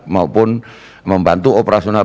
maupun membantu operasional